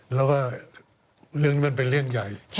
เลือกมันเป็นเรื่องใหญ่